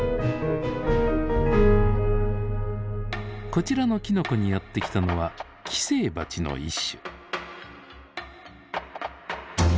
こちらのきのこにやって来たのは寄生バチの一種。